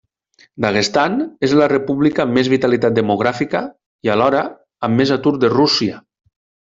Daguestan és la república amb més vitalitat demogràfica, i alhora, amb més atur de Rússia.